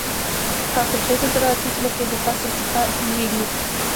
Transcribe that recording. حاصل خېزه زراعتي ځمکې د فصل څخه لوېږي.